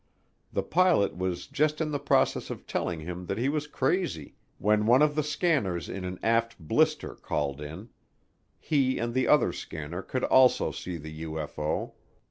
The pilot was just in the process of telling him that he was crazy when one of the scanners in an aft blister called in; he and the other scanner could also see the UFO.